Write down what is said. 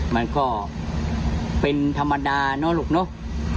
มันก็เป็นธรรมดาเนอะลูกเนอะ